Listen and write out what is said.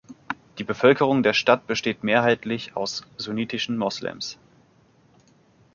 Die Bevölkerung der Stadt besteht mehrheitlich aus sunnitischen Moslems.